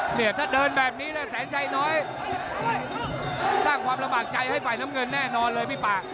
เนียถ้าเดินแบบนี้แสนชัยน้อยสร้างความลำบากใจให้ฝ่ายแน่นอนเลยพี่ปาก